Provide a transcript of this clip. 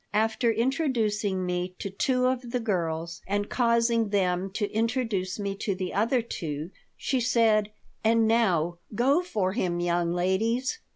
After introducing me to two of the girls and causing them to introduce me to the other two, she said: "And now go for him, young ladies!